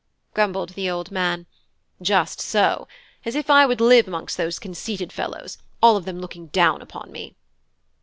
Grumbled the old man: "Just so! As if I would live amongst those conceited fellows; all of them looking down upon me!"